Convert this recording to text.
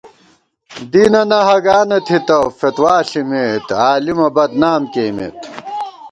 دینَنہ ہَگا نہ تِھتہ، فتویٰ ݪِمېت، عالِمہ بدنام کېئیمېت